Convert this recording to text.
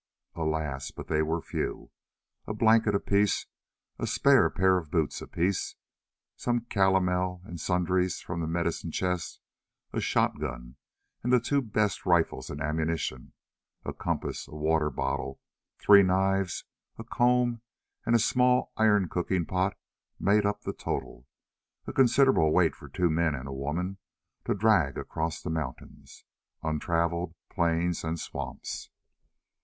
Alas! they were but few. A blanket apiece—a spare pair of boots apiece—some calomel and sundries from the medicine chest—a shot gun and the two best rifles and ammunition—a compass, a water bottle, three knives, a comb, and a small iron cooking pot made up the total—a considerable weight for two men and a woman to drag across mountains, untravelled plains, and swamps.